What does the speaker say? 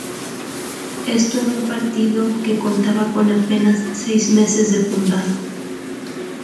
Esto en un partido que contaba con apenas seis meses de fundado.